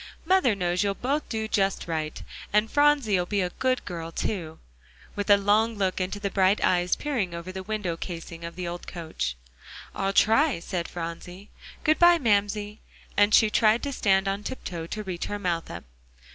"Mother knows you'll both do just right. And Phronsie'll be a good girl too," with a long look into the bright eyes peering over the window casing of the old coach. "I'll try," said Phronsie. "Good by, Mamsie," and she tried to stand on tiptoe to reach her mouth up.